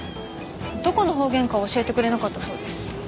どこの方言か教えてくれなかったそうです。